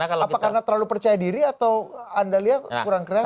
apa karena terlalu percaya diri atau anda lihat kurang kreatif